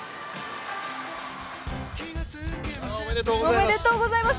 おめでとうございます。